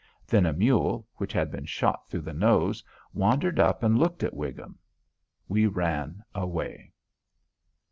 Then a mule, which had been shot through the nose, wandered up and looked at Whigham. We ran away.